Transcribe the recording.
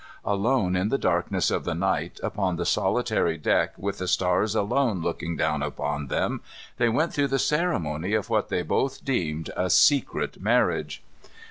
Alone in the darkness of the night, upon the solitary deck with the stars alone looking down upon them, they went through the ceremony of what they both deemed a secret marriage.